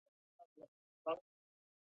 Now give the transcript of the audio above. پلورونکی د ویرې له امله حرکت نه کوي.